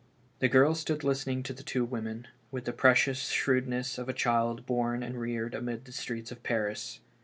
The girl stood listening to the two women, with the preeocious shrewdness of a child born and reared amid the streets of Paris.